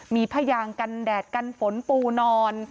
มีผ้ายางกันแดดกันฝนปูนอน